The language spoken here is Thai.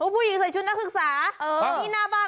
ผู้หญิงใส่ชุดนักศึกษา